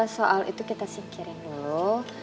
soal itu kita singkirin dulu